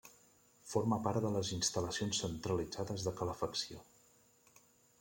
Forma part de les instal·lacions centralitzades de calefacció.